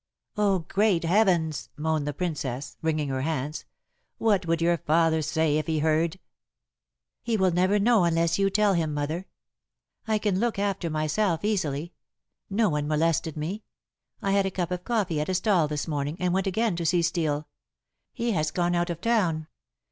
"Oh, great heavens!" moaned the Princess, wringing her hands; "what would your father say if he heard?" "He will never know unless you tell him, mother. I can look after myself easily. No one molested me. I had a cup of coffee at a stall this morning, and went again to see Steel. He has gone out of town."